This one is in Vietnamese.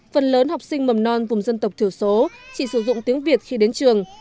phần lớn học sinh mầm non vùng dân tộc thiểu số chỉ sử dụng tiếng việt khi đến trường